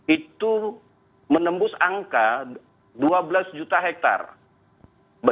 itu menembus angka dua belas juta hektare